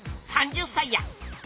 ３０才や！